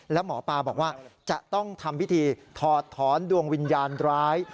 แล้วหมอปลาบอกว่าจะต้องทำพิธีถอดถอนดวงวิญญาณร้าย